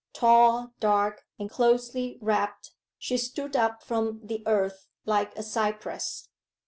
Tall, dark, and closely wrapped, she stood up from the earth like a cypress.